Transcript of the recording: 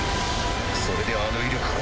それであの威力か。